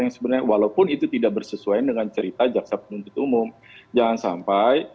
yang sebenarnya walaupun itu tidak bersesuaian dengan cerita jaksa penuntut umum jangan sampai